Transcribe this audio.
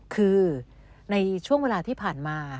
คือในช่วงเวลาที่ผ่านมา